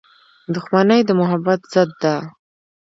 • دښمني د محبت ضد ده.